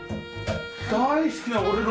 大好きな俺の！